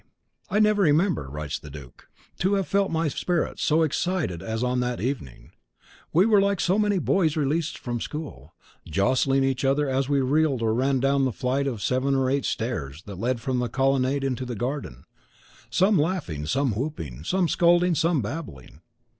"I never remember," writes the duc, "to have felt my spirits so excited as on that evening; we were like so many boys released from school, jostling each other as we reeled or ran down the flight of seven or eight stairs that led from the colonnade into the garden, some laughing, some whooping, some scolding, some babbling.